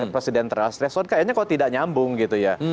presiden terhadap respon kayaknya kok tidak nyambung gitu ya